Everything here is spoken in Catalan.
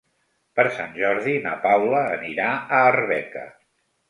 Per Sant Jordi na Paula anirà a Arbeca.